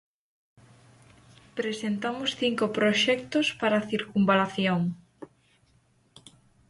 Presentamos cinco proxectos para a circunvalación.